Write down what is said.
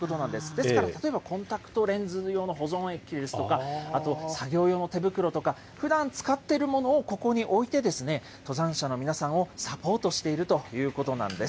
ですから例えばコンタクトレンズ用の保存液ですとか、あと作業用の手袋とか、ふだん使っているものをここに置いて、登山者の皆さんをサポートしているということなんです。